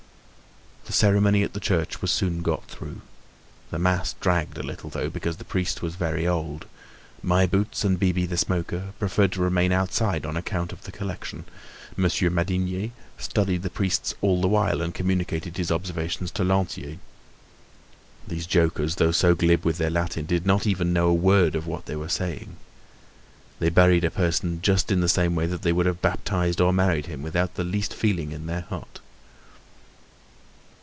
The ceremony at the church was soon got through. The mass dragged a little, though, because the priest was very old. My Boots and Bibi the Smoker preferred to remain outside on account of the collection. Monsieur Madinier studied the priests all the while, and communicated his observations to Lantier. Those jokers, though so glib with their Latin, did not even know a word of what they were saying. They buried a person just in the same way that they would have baptized or married him, without the least feeling in their heart.